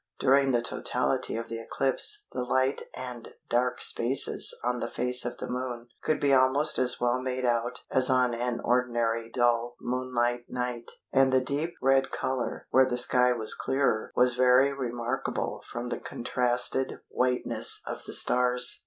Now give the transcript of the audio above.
During the totality of the eclipse the light and dark places on the face of the Moon could be almost as well made out as on an ordinary dull moonlight night, and the deep red colour where the sky was clearer was very remarkable from the contrasted whiteness of the stars.